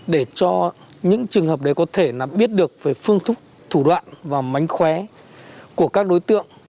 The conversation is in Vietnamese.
để cho những trường hợp đấy có thể biết được về phương thức thủ đoạn và mánh khóe của các đối tượng